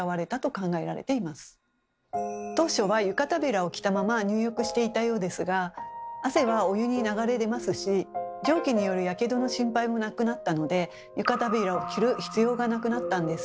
当初は湯帷子を着たまま入浴していたようですが汗はお湯に流れ出ますし蒸気によるヤケドの心配もなくなったので湯帷子を着る必要がなくなったんです。